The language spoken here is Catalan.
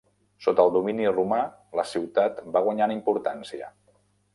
Sota el domini romà, la ciutat va guanyar en importància.